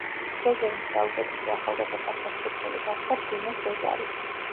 სეზონის საუკეთესო ახალგაზრდა ფეხბურთელი გახდა ბრუნო სეზარი.